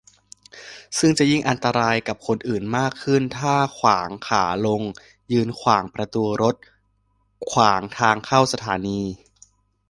ซึ่งจะยิ่งอันตรายกับคนอื่นมากขึ้นถ้าขวางขาลง ยืนขวางประตูรถ ขวางทางเข้าสถานี